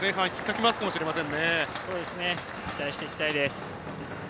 期待していきたいです。